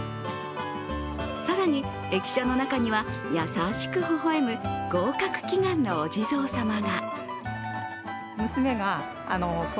更に、駅舎の中には優しく微笑む合格祈願のお地蔵様が。